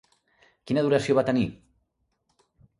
Quina duració va tenir?